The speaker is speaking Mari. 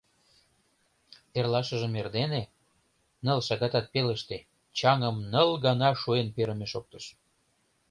Эрлашыжым эрдене, ныл шагатат пелыште, чаҥым ныл гана шуэн перыме шоктыш.